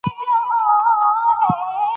که ژمنې عملي نسي نو خلک ناهیلي کیږي.